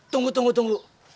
tunggu tunggu tunggu